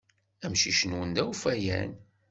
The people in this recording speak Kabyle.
Amcic-nwen d awfayan.